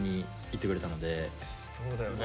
そうだよね